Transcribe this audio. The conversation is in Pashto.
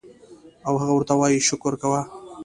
او هغه ورته وائي شکر کوه